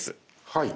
はい。